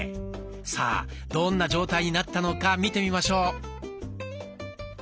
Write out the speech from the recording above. さあどんな状態になったのか見てみましょう。